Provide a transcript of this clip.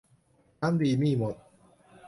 น้ำดี หนี้หมด